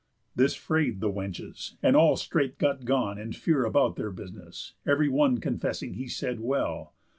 This fray'd the wenches, and all straight got gone In fear about their business, ev'ry one Confessing he said well.